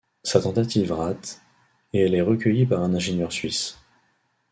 Sa tentative rate, et elle est recueillie par un ingénieur suisse.